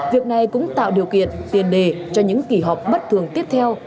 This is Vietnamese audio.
việc này cũng tạo điều kiện tiền đề cho những kỳ họp bất thường tiếp theo